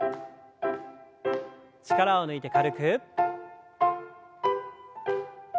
力を抜いて軽く。